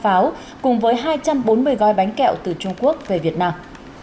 pháo cùng với hai trăm bốn mươi gói bánh kẹo từ trung quốc về việt nam